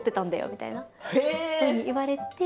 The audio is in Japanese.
みたいなふうに言われて。